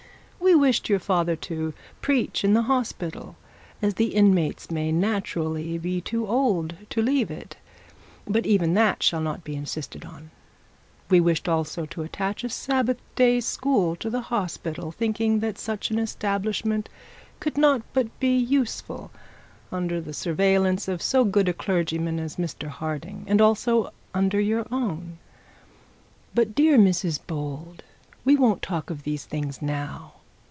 We wished your father to preach in the hospital, as the inmates may naturally be too old to leave it; but even that shall not be insisted on. We wished also to attach a Sabbath day school to the hospital, thinking that such an establishment could not but be useful under the surveillance of so good a clergyman as Mr Harding, and also under your own. But, dear Mrs Bold; we won't talk of those things now.